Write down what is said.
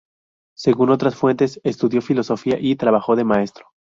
Según otras fuentes, estudió Filosofía y trabajó de maestro.